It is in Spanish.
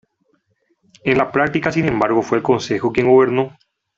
En la práctica, sin embargo, fue el Consejo quien gobernó.